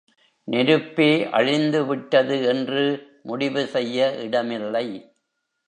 நெருப்பே அழிந்து விட்டது என்று முடிவு செய்ய இடமில்லை.